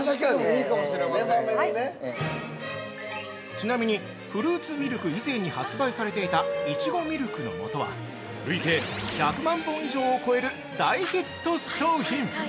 ◆ちなみにフルーツミルク以前に発売されていた「いちごミルクの素」は累計１００万本以上を超える大ヒット商品！